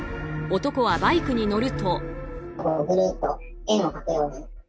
男はバイクに乗ると。